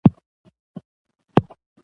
د افغانستان آثار نړیوال ارزښت لري.